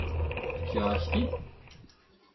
Fkiɣ-ak-t-id?